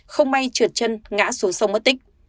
không may trượt chân ngã xuống sông mất tích